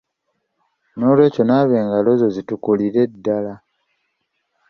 N'olw'ekyo, naaba engalo zo zitukulire ddala.